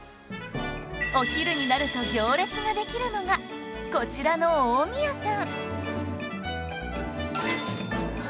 お昼になると行列ができるのがこちらの近江やさん